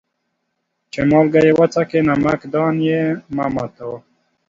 چي مالگه يې وڅکې ، نمک دان يې مه ماتوه.